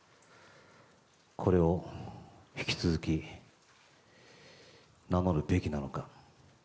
これを引き続き名乗るべきなのか。